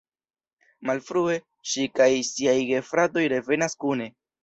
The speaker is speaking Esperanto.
Malfrue, ŝi kaj siaj gefratoj revenas kune.